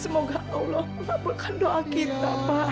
semoga allah mengabulkan doa kita pak